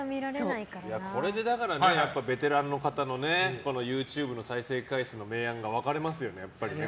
これでベテランの方のＹｏｕＴｕｂｅの再生回数の明暗が分かれますよね。